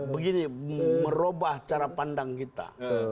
begini merubah cara pandang kita